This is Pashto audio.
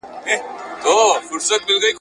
سرمی ایښی و درګا ته، سترګي ګوري ستا و خواته.